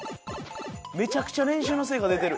めちゃくちゃ練習の成果出てる。